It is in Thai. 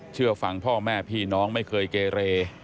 เชื่อฟังพ่อแม่พี่น้องไม่เคยเกเร